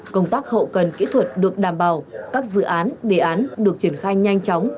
công tác hậu cần kỹ thuật được đảm bảo các dự án đề án được triển khai nhanh chóng